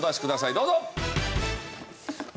どうぞ！